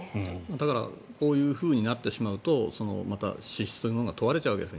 だからこういうふうになってしまうと資質というものが問われちゃうわけです